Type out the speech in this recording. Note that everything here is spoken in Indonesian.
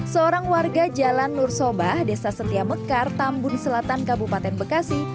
seorang warga jalan nur sobah desa setia mekar tambun selatan kabupaten bekasi